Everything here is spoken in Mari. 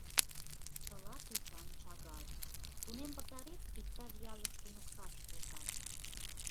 Тылат ӱшан шагал: тунем пытарет — иктаж ялыш туныкташ колтат.